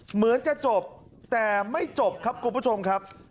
เหมือนจะจบแต่ไม่จบครับคุณผู้ชมครับ